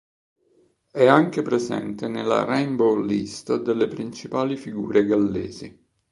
È anche presente nella "Rainbow List" delle principali figure gallesi.